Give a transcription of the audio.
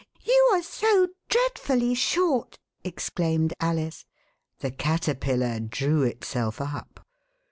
You are so dreadfully short," exclaimed Alice; the Caterpillar drew itself up.